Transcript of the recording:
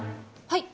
はい。